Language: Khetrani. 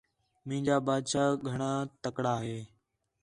مینجا بادشاہ گھݨاں تَکڑا ہِے